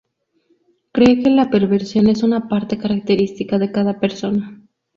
Cree que la perversión es una parte característica de cada persona.